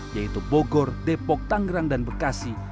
yaitu bogor depok tanggerang dan bekasi